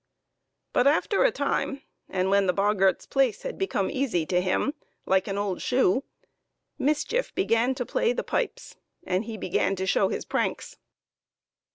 But after a time, and when the boggart's place had become easy to him, like an old shoe, mischief began to play the pipes and he began to show his pranks.